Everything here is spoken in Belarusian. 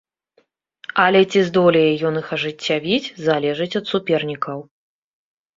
Але ці здолее ён іх ажыццявіць, залежыць ад супернікаў.